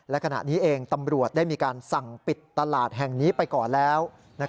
และขณะนี้เองตำรวจได้มีการสั่งปิดตลาดแห่งนี้ไปก่อนแล้ว